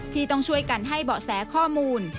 ที่ต้องช่วยกันให้เบาะแสข้อมูล